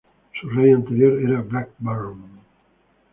Su rey anterior era Black Burn.